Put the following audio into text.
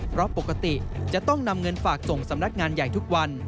เพราะปกติจะต้องนำเงินฝากส่งสำนักงานใหญ่ทุกวัน